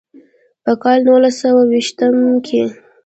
پۀ کال نولس سوه ويشتم کښې